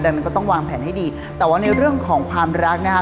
ดังนั้นก็ต้องวางแผนให้ดีแต่ว่าในเรื่องของความรักนะคะ